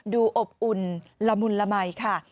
ดูอบอุ่นละมุนละไหมค่ะ